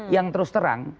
yang terus terang